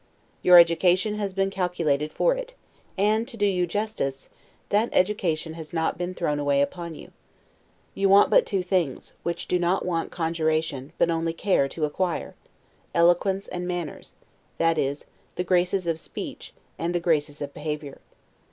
Your education has been calculated for it; and, to do you justice, that education has not been thrown away upon you. You want but two things, which do not want conjuration, but only care, to acquire: eloquence and manners; that is, the graces of speech, and the graces of behavior.